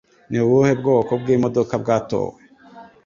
Ni ubuhe bwoko bw'imodoka bwatowe